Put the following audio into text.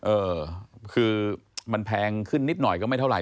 เออคือมันแพงขึ้นนิดหน่อยก็ไม่เท่าไห